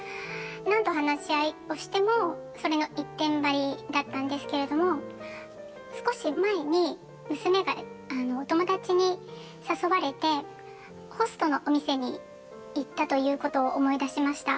何度、話し合いをしても、それの一点張りだったんですけれども少し前に娘がお友達に誘われてということを思い出しました。